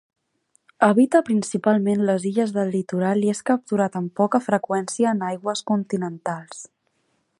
Habita principalment les illes del litoral i és capturat amb poca freqüència en aigües continentals.